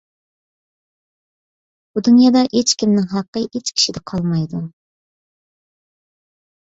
بۇ دۇنيادا ھېچكىمنىڭ ھەققى ھېچكىشىدە قالمايدۇ.